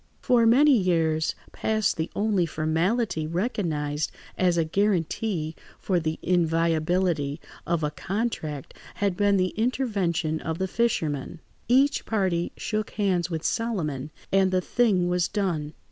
For many years past the only formality recognised as a guarantee for the inviolability of a contract had been the intervention of the fisherman. Each party shook hands with Solomon, and the thing was done.